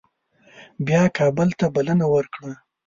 بیا کابل ته بلنه ورکړه.